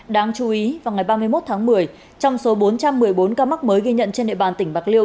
đáng chú ý vào ngày ba mươi một tháng một mươi trong số bốn trăm một mươi bốn ca mắc mới ghi nhận trên địa bàn tỉnh bạc liêu